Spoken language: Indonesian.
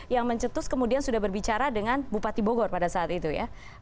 yang mencetus kemudian sudah berbicara dengan bupati bogor pada saat itu ya